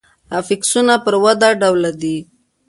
افیکسونه پر وده ډوله دي.